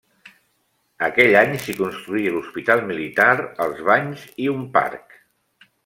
Aquell any s'hi construí l'hospital militar, els banys i un parc.